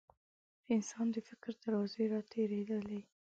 د انسان د فکر دروازې راتېرېدلې.